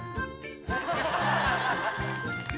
ハハハハ！